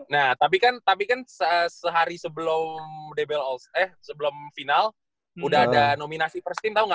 nah tapi kan sehari sebelum dbl all star eh sebelum final udah ada nominasi first team tau gak